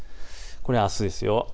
これはあすですよ。